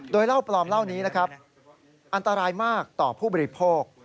โดยเหล้าปลอมเหล้านี้นะครับอันตรายมากต่อผู้บริโภค